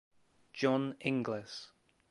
John Inglis.